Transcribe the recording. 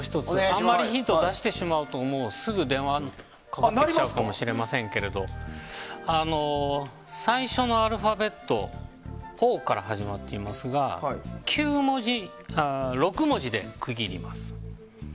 あまりヒントを出してしまうともうすぐ電話かかってきちゃうかもしれませんけど最初のアルファベットＯから始まっていますが６文字で区切ります。